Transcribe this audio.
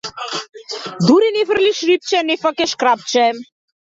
Дури не фрлиш рипче, не фаќаш крапче.